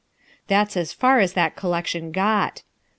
That's as far as that collection got.